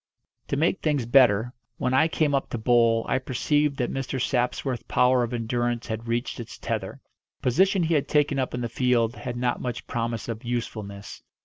To make things better, when I came up to bowl I perceived that Mr. Sapsworth's power of endurance had reached its tether. The position he had taken up in the field had not much promise of usefulness.